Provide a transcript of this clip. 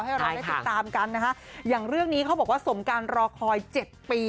ให้เราได้ติดตามกันนะคะอย่างเรื่องนี้เขาบอกว่าสมการรอคอยเจ็ดปี